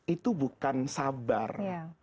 itu bukan sabar